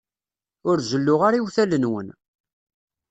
Ur zelluɣ ara iwtal-nwen.